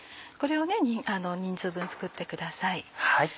これを人数分作ってください。